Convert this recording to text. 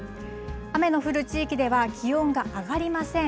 雨の降る地域では、気温が上がりません。